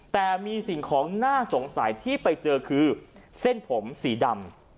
แต่มีสิ่งของน่าสงสัยที่ไปเจอคือเส้นผมสีดำ